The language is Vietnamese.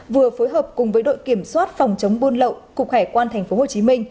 vừa phối hợp cùng với đội kiểm soát phòng chống buôn lậu cục hải quan tp hcm